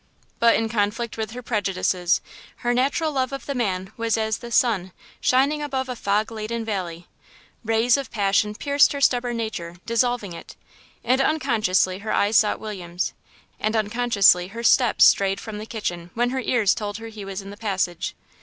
But in conflict with her prejudices, her natural love of the man was as the sun shining above a fog laden valley; rays of passion pierced her stubborn nature, dissolving it, and unconsciously her eyes sought William's, and unconsciously her steps strayed from the kitchen when her ears told her he was in the passage.